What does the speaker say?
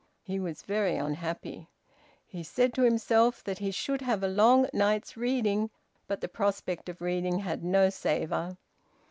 He was very unhappy. He said to himself that he should have a long night's reading, but the prospect of reading had no savour.